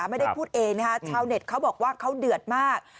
ไม่ได้พูดเองนะคะชาวเน็ตเขาบอกว่าเขาเดือดมาก